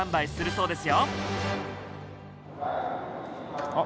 そうです。